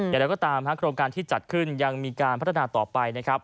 อย่างไรก็ตามโครงการที่จัดขึ้นยังมีการพัฒนาต่อไปนะครับ